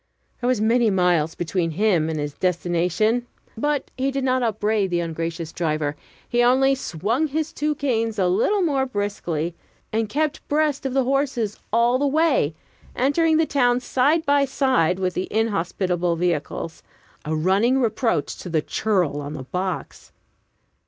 There were many miles between him and his destination. But he did not upbraid the ungracious driver; he only swung his two canes a little more briskly, and kept breast of the horses all the way, entering the town side by side with the inhospitable vehicles a running reproach to the churl on the box.